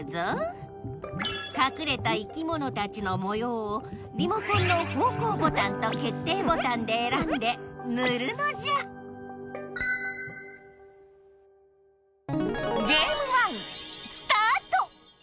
かくれた生きものたちのもようをリモコンの方向ボタンと決定ボタンでえらんでぬるのじゃスタート！